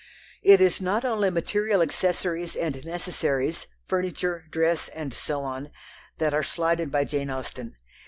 It is not only material accessories and necessaries, furniture, dress, and so on that are slighted by Jane Austen.